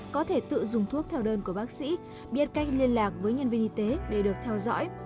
có thể tự dùng thuốc theo đơn của bác sĩ biết kênh liên lạc với nhân viên y tế để được theo dõi